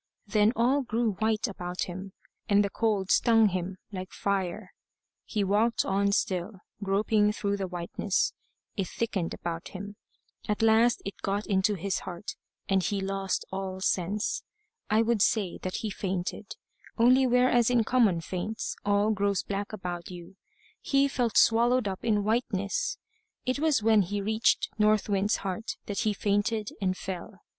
Then all grew white about him; and the cold stung him like fire. He walked on still, groping through the whiteness. It thickened about him. At last, it got into his heart, and he lost all sense. I would say that he fainted only whereas in common faints all grows black about you, he felt swallowed up in whiteness. It was when he reached North Wind's heart that he fainted and fell.